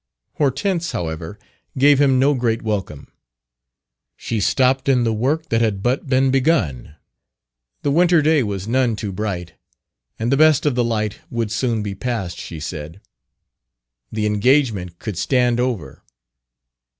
Hortense, however, gave him no great welcome. She stopped in the work that had but been begun. The winter day was none too bright, and the best of the light would soon be past, she said. The engagement could stand over.